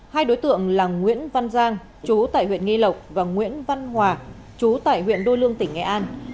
hai đối tượng là nguyễn văn giang chú tại huyện nghi lộc và nguyễn văn hòa chú tại huyện đô lương tỉnh nghệ an